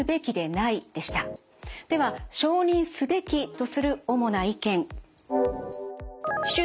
では「承認すべき」とする主な意見。などでした。